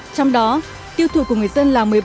trong đó tiêu thụ của người dân là